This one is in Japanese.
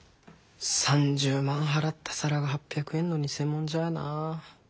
３０万払った皿が８００円の偽物じゃあな。